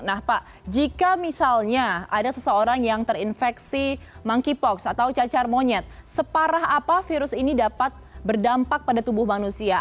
nah pak jika misalnya ada seseorang yang terinfeksi monkeypox atau cacar monyet separah apa virus ini dapat berdampak pada tubuh manusia